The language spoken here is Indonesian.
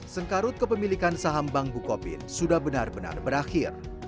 sengkarut kepemilikan saham bank bukopin sudah benar benar berakhir